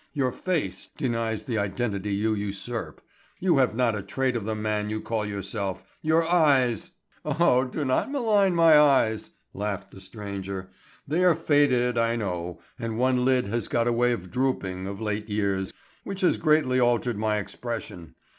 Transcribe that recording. Your face denies the identity you usurp. You have not a trait of the man you call yourself. Your eyes——" "Oh, do not malign my eyes," laughed the stranger. "They are faded I know and one lid has got a way of drooping of late years, which has greatly altered my expression.